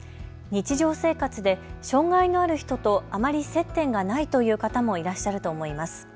日常生活で障害のある人とあまり接点がないという方もいらっしゃると思います。